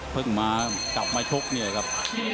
เพิ่งมากลับมาชกเนี่ยครับ